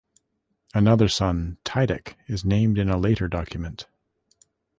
Another son, Tydech, is named in a later document.